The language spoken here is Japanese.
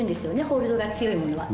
ホールドが強いものは。